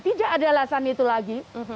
tidak ada alasan itu lagi